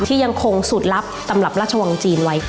ยังคงสูตรลับตำรับราชวังจีนไว้